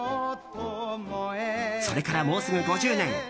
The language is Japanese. それから、もうすぐ５０年。